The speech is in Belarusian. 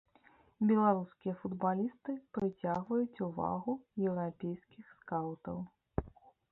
Беларускія футбалісты прыцягваюць ўвагу еўрапейскіх скаўтаў.